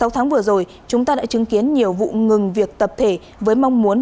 sáu tháng vừa rồi chúng ta đã chứng kiến nhiều vụ ngừng việc tập thể với mong muốn